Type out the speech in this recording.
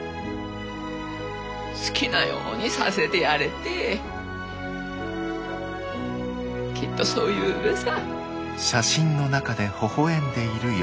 「好きなようにさせてやれ」ってきっとそう言うべさ。